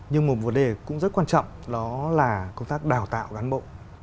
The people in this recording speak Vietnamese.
nhưng một vấn đề cũng rất quan trọng đó là công tác đào tạo cán bộ